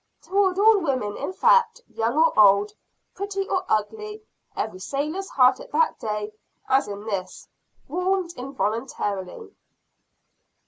Toward all women in fact, young or old, pretty or ugly, every sailor's heart at that day, as in this, warmed involuntarily.